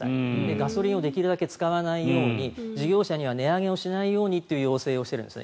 ガソリンをできるだけ使わないように事業者には値上げをしないようにという要請をしてるんです。